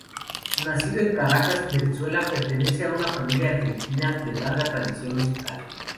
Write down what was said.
Nacido en Caracas, Venezuela, pertenece a una familia argentina de larga tradición musical.